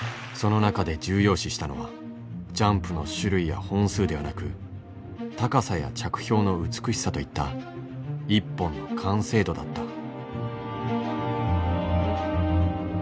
その中で重要視したのはジャンプの種類や本数ではなく高さや着氷の美しさといった一本の完成度だった。